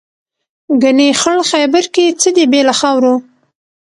ګنې خړ خیبر کې څه دي بې له خاورو.